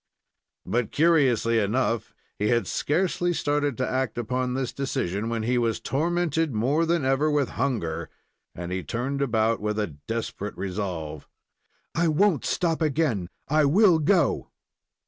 But, curiously enough, he had scarcely started to act upon this decision when he was tormented more than ever with hunger, and he turned about with a desperate resolve. "I won't stop again! I will go!"